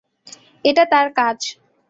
এটা তার কাজ।